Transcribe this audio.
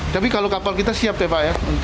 tapi kalau kapal kita siap ya pak ya